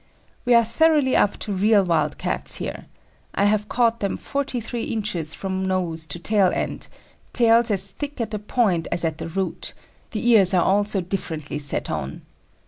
We are thoroughly up to real wild Cats here. I have caught them forty three inches from nose to tail end; tails as thick at the point as at the root; the ears are also differently set on.